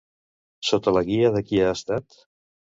Sota la guia de qui ha estat?